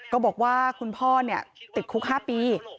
ก็บอกว่าคุณพ่อติดคุก๕ปี